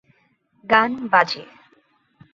গান বাজে।